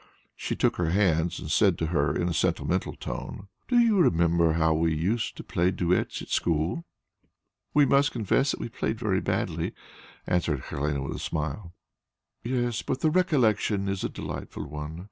She took her hands and said to her in a sentimental tone, "Do you remember how often we used to play duets at school?" "We must confess that we played very badly," answered Helene with a smile. "Yes, but the recollection is a delightful one.